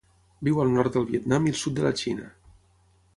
Viu al nord del Vietnam i el sud de la Xina.